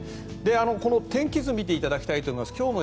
この天気図を見ていただきたいと思います。